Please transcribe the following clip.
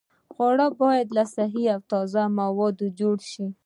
خواړه باید له صحي او تازه موادو جوړ شي.